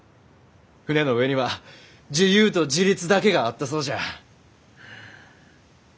船の上には自由と自立だけがあったそうじゃ。